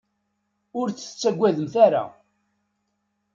Ur tt-tettagademt ara.